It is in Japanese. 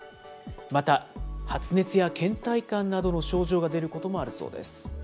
また、発熱やけん怠感などの症状が出ることもあるそうです。